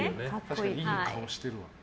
いい顔してるわ。